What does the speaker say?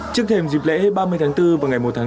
trước thềm dịch lễ ba mươi tháng bốn và ngày một tháng năm